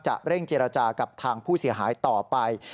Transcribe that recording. เร่งเจรจากับทางผู้เสียหายต่อไป